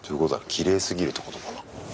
きれいすぎるってことかな？